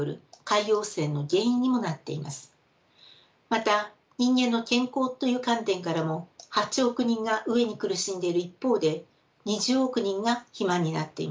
また人間の健康という観点からも８億人が飢えに苦しんでいる一方で２０億人が肥満になっています。